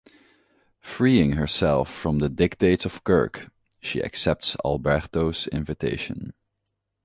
Freeing herself from the dictates of Kirk, she accepts Alberto's invitation.